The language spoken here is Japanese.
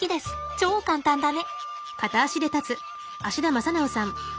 超簡単だね！